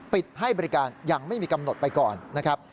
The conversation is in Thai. ปิดให้บริการอย่างไม่มีกำหนดไปก่อนนะครับ